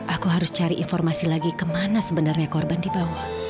aku harus cari informasi lagi kemana sebenarnya dia